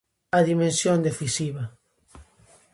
A dimensión decisiva.